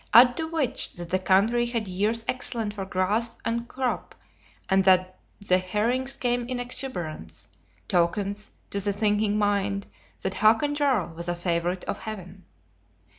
Add to which that the country had years excellent for grass and crop, and that the herrings came in exuberance; tokens, to the thinking mind, that Hakon Jarl was a favorite of Heaven.